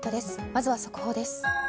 まずは速報です。